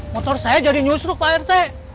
motor saya jadi nyusruk pak rt